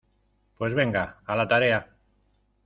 pues venga, a la tarea.